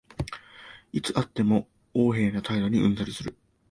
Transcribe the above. いつ会っても横柄な態度にうんざりする